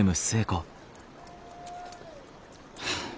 はあ。